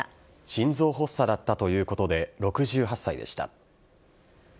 心臓発作だったということで６８歳でした。